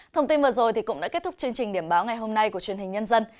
thông tin vừa rồi cũng đã kết thúc chương trình điểm báo ngày hôm nay của truyền hình nhân dân